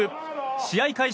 試合開始